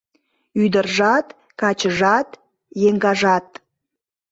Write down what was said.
Ӱдыржат, качыжат, еҥгажат